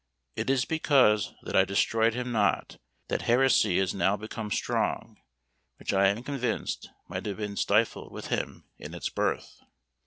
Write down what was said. "It is because that I destroyed him not, that heresy has now become strong, which I am convinced might have been stifled with him in its birth."